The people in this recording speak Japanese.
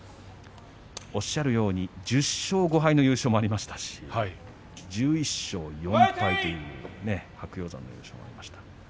おっしゃるように１０勝５敗の優勝もありましたし１１勝４敗、白鷹山の優勝もありました。